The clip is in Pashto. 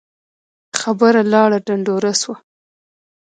خبره لاړه ډنډوره سوه